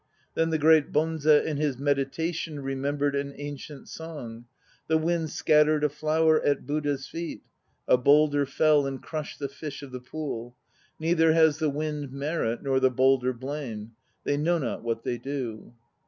Then the great Bonze in his meditation remembered An ancient song: "The wind scattered a flower at Buddha's feet; A boulder fell and crushed the fish of the pool. Neither has the wind merit, nor the boulder blame; They know not what they do."